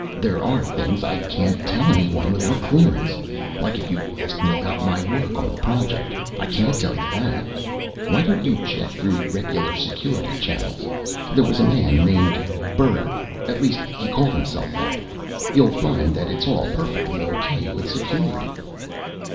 There are things I can't tell anyone without clearance. Like if you asked me about my work on the Project I can't tell you that. Why don't you check through regular Security channels? There was a man named Berg at least he called himself that. You'll find that it's all perfectly okay with Security."